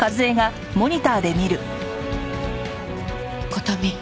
琴美。